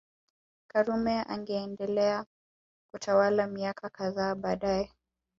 Karume angeendelea kutawala miaka kadhaa baadae